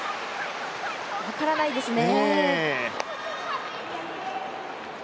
分からないですね。